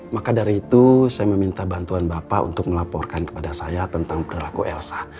maka dari itu saya meminta bantuan bapak untuk melaporkan kepada saya tentang perilaku elsa